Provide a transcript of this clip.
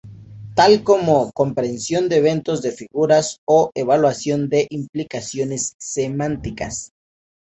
Tal como: Comprensión de Eventos de Figuras o Evaluación de Implicaciones Semánticas.